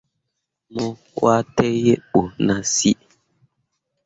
Mo pwãa tekǝbo nah sǝǝ.